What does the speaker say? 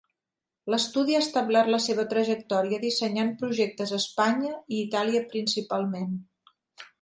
L'estudi ha establert la seva trajectòria dissenyant projectes a Espanya i Itàlia principalment.